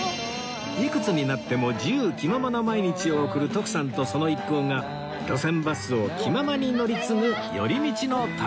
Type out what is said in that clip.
いくつになっても自由気ままな毎日を送る徳さんとその一行が路線バスを気ままに乗り継ぐ寄り道の旅